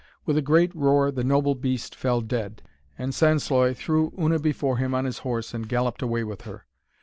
With a great roar the noble beast fell dead, and Sansloy threw Una before him on his horse and galloped away with her.